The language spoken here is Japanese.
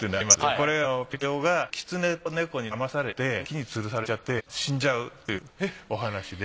これピノキオがキツネと猫にだまされて木につるされちゃって死んじゃうというお話で。